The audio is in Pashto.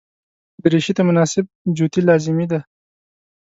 دریشي ته مناسب جوتي لازمي دي.